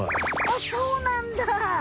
あっそうなんだ。